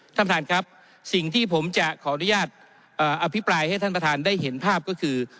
ท่านประธานครับสิ่งที่ผมจะขออนุญาตอภิปรายให้ท่านประธานได้เห็นภาพก็คือ